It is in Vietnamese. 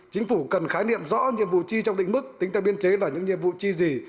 chính phủ cần khái niệm rõ nhiệm vụ chi trong định mức tính theo biên chế là những nhiệm vụ chi gì